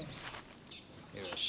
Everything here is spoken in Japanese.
よし。